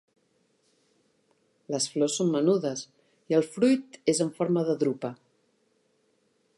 Les flors són menudes i el fruit és en forma de drupa.